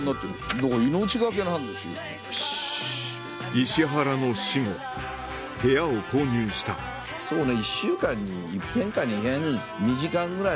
石原の死後部屋を購入したそうね。